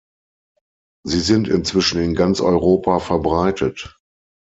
Sie sind inzwischen in ganz Europa verbreitet.